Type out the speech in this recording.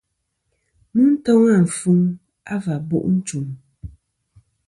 Mɨ toŋ àfuŋ a v̀ bu' nchum.